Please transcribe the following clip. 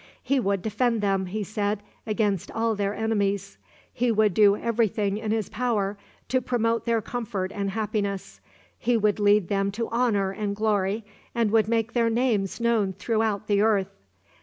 He would defend them, he said, against all their enemies. He would do every thing in his power to promote their comfort and happiness. He would lead them to honor and glory, and would make their names known throughout the earth.